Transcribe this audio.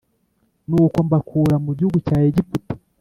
Nuko mbakura mu gihugu cya Egiputa